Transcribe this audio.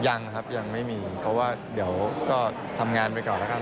ยังครับยังไม่มีเพราะว่าเดี๋ยวก็ทำงานไปก่อนแล้วกัน